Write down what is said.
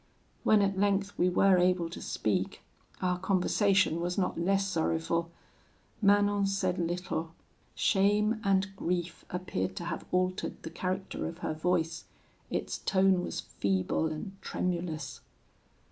When at length we were able to speak, our conversation was not less sorrowful. Manon said little: shame and grief appeared to have altered the character of her voice; its tone was feeble and tremulous.